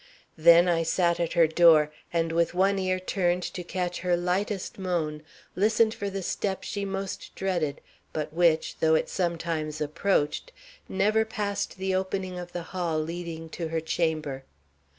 Then I sat at her door, and with one ear turned to catch her lightest moan, listened for the step she most dreaded, but which, though it sometimes approached, never passed the opening of the hall leading to her chamber.